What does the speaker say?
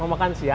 ilmu kasih baca